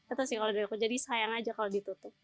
itu sih kalau dari aku jadi sayang aja kalau ditutup